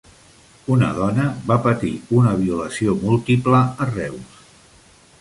Una dona va patir una violació múltiple a Reus